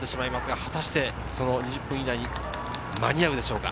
果たして２０分以内に間に合うでしょうか。